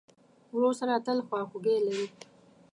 ورور سره تل خواخوږی لرې.